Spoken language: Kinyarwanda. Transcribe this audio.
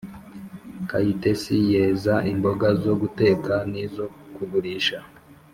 kayitesi yeza imboga zo guteka n’izo kugurisha.